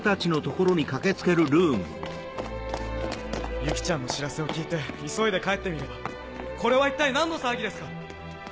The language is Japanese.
ユキちゃんの知らせを聞いて急いで帰ってみればこれは一体何の騒ぎですか！